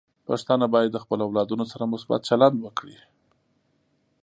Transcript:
پښتانه بايد د خپلو اولادونو سره مثبت چلند وکړي.